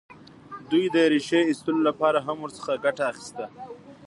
دوی د ریښې ایستلو لپاره هم ورڅخه ګټه اخیسته.